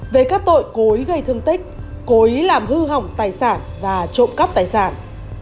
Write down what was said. về các tội cối gây thương tích cối làm hư hỏng tài sản và trộm cắp tài sản